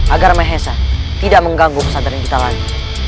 agar mehesa tidak mengganggu kesadaran kita lagi